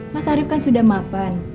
mas arief kan sudah mapan